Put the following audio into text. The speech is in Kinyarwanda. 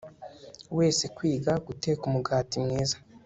wese kwiga guteka umugati mwiza